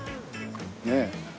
ねえ。